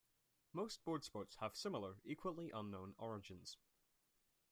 Most boardsports have similar, equally unknown origins.